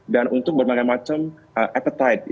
dan untuk berbagai macam appetite